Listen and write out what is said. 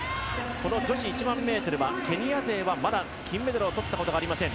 この女子１００００ｍではケニア勢はまだ金メダルをとったことがありません。